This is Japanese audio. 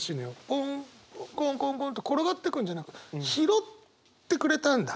ポンコンコンコンと転がってくんじゃなくて拾ってくれたんだ。